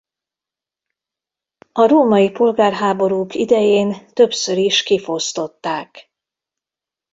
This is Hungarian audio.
A római polgárháborúk idején többször is kifosztották.